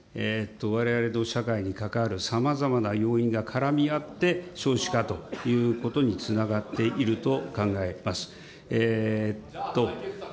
われわれの社会に関わるさまざまな要因が絡み合って、少子化ということにつながっていると考えます。